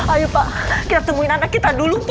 ayo pak kita temuin anak kita dulu pak